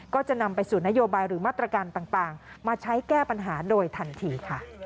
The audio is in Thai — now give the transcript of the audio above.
ก็จะนำไปสู่นโยบายหรือมาตรการต่างมาใช้แก้ปัญหาโดยทันทีค่ะ